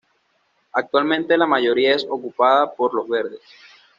Actualmente la mayoría es ocupada por Los Verdes.